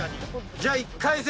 じゃあ１回戦！